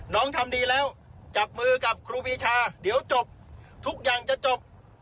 ทำดีแล้วจับมือกับครูปีชาเดี๋ยวจบทุกอย่างจะจบ